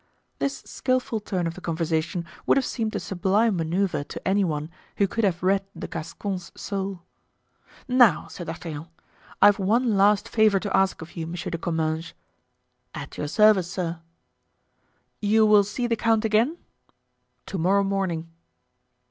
This skillful turn of the conversation would have seemed a sublime manoeuvre to any one who could have read the Gascon's soul. "Now," said D'Artagnan, "I've one last favor to ask of you, Monsieur de Comminges." "At your service, sir." "You will see the count again?" "To morrow morning."